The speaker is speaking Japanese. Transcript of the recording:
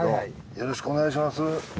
よろしくお願いします。